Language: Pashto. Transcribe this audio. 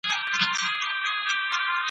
په همدې تنګو دروکي .